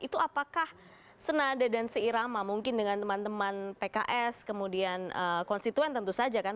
itu apakah senada dan seirama mungkin dengan teman teman pks kemudian konstituen tentu saja kan